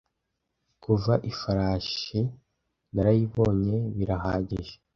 Kuva Ifarashi narayibonye birahagije